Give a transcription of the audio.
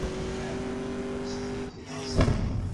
Tḥemmel Yuba s tidet.